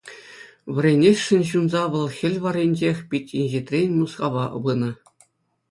Вӗренесшӗн ҫунса, вӑл хӗл варринчех пит инҫетрен Мускава пынӑ.